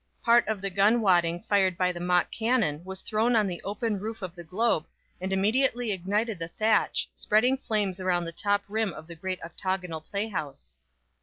Part of the gun wadding fired by the mock cannon was thrown on the open roof of the Globe, and immediately ignited the thatch, spreading flames around the top rim of the great octagonal playhouse.